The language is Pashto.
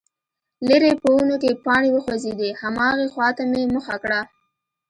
ليرې په ونو کې پاڼې وخوځېدې، هماغې خواته مې مخه کړه،